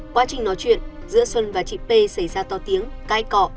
quá trình nói chuyện giữa xuân và chị p xảy ra to tiếng cai cọ